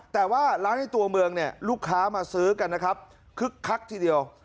แต่ว่าร้านในตัวเมืองเนี่ยลูกค้ามาซื้อกันนะครับคึกคักทีเดียว